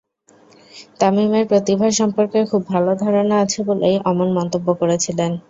তামিমের প্রতিভা সম্পর্কে খুব ভালো ধারণা আছে বলেই অমন মন্তব্য করেছিলেন।